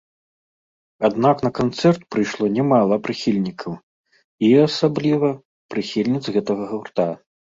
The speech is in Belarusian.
Аднак на канцэрт прыйшло не мала прыхільнікаў і, асабліва, прыхільніц гэтага гурта.